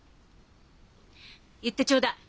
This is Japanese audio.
言ってちょうだい。